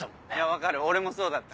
分かる俺もそうだった。